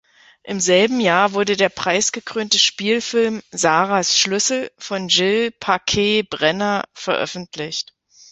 Im selben Jahr wurde der preisgekrönte Spielfilm "Sarahs Schlüssel" von Gilles Paquet-Brenner veröffentlicht.